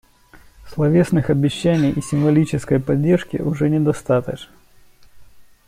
Словесных обещаний и символической поддержки уже недостаточно.